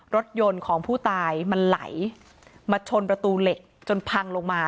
รถยนต์ของผู้ตายมันไหลมาชนประตูเหล็กจนพังลงมา